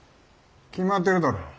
決まってるだろ。